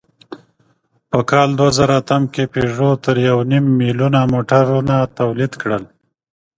په کال دوهزرهاتم کې پيژو تر یونیم میلیونه موټرونه تولید کړل.